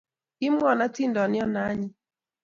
Kimwaiwo atindiyot ne anyin